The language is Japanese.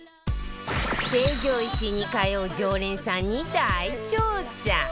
成城石井に通う常連さんに大調査